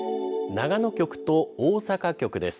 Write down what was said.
長野局と大阪局です。